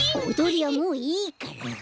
おどりはもういいから。